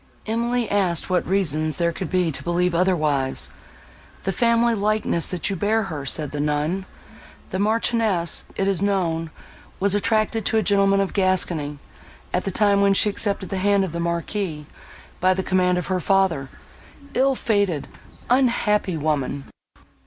Emily asked what reasons there could be to believe otherwise. "The family likeness, that you bear her," said the nun. "The Marchioness, it is known, was attached to a gentleman of Gascony, at the time when she accepted the hand of the Marquis, by the command of her father. Ill fated, unhappy woman!"